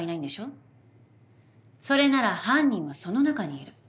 それなら犯人はその中にいる。